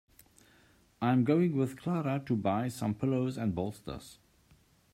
I'm going with Clara to buy some pillows and bolsters.